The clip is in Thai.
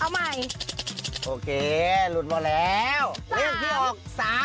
เอาใหม่โอเคหลุดมาแล้วเลขที่ออก๓๓